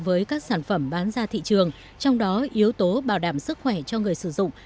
với các sản phẩm bán ra thị trường trong đó yếu tố bảo đảm sức khỏe cho người sử dụng